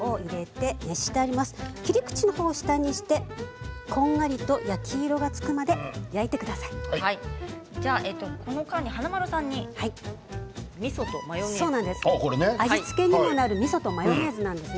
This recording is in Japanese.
切り口を下にしてこんがりと焼き色がつくまでこの間に華丸さんに味付けになるみそとマヨネーズです。